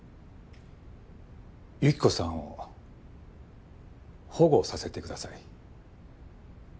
幸子さんを保護させてください。